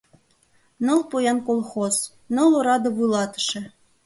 Ныл поян колхоз, ныл ораде вуйлатыше.